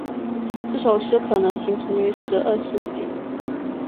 这首诗可能形成于十二世纪。